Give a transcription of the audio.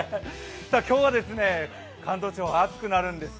今日は関東地方、暑くなるんです。